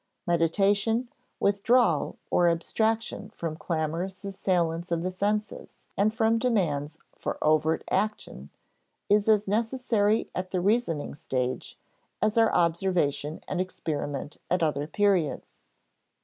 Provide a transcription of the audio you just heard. Meditation, withdrawal or abstraction from clamorous assailants of the senses and from demands for overt action, is as necessary at the reasoning stage, as are observation and experiment at other periods.